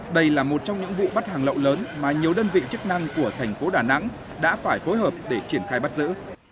đây là một trong những vụ bắt hàng lậu lớn mà nhiều đơn vị chức năng của thành phố đà nẵng đã phải phối hợp để triển khai bắt giữ